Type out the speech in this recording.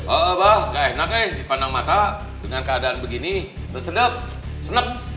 oh apa gak enak ya dipandang mata dengan keadaan begini sedap sedap